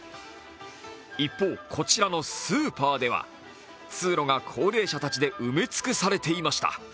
一方、こちらのスーパーでは通路が高齢者たちで埋め尽くされていました。